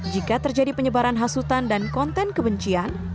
jika terjadi penyebaran hasutan dan konten kebencian